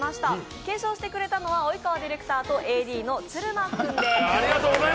検証してくれたのは及川ディレクターとＡＤの鶴間君です。